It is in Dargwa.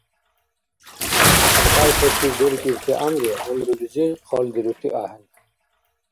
ХӀябкьяйтачир деркӀибти гӀямру — гӀямрулизи халдирути ахӀен.